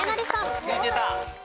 落ち着いてた。